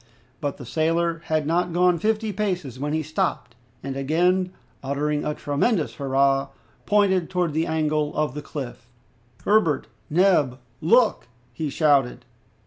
But the sailor had not gone fifty paces when he stopped, and again uttering a tremendous hurrah, pointed towards the angle of the cliff, "Herbert! Neb! Look!" he shouted.